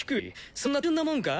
そんな単純なもんか？